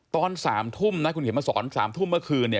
ตอน๓ทุ่มคุณเห็นมาสอน๓ทุ่มเมื่อคืน